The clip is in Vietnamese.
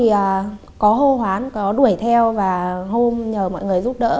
sau đó thì có hô hoán có đuổi theo và hôn nhờ mọi người giúp đỡ